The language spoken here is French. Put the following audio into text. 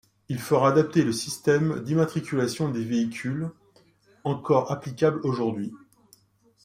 Il fera adopter le système d’immatriculation des véhicules, encore applicable aujourd’hui.